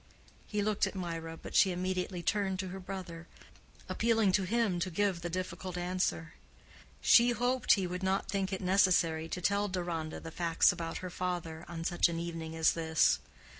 He looked at Mirah, but she immediately turned to her brother, appealing to him to give the difficult answer. She hoped he would not think it necessary to tell Deronda the facts about her father on such an evening as this.